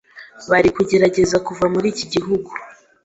bari kugerageza kuva muri iki gihugu